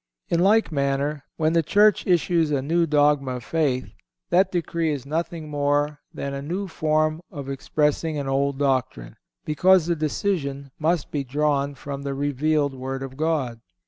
In like manner, when the Church issues a new dogma of faith, that decree is nothing more than a new form of expressing an old doctrine, because the decision must be drawn from the revealed Word of God.